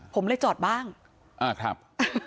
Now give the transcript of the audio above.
ปล่อยละครับ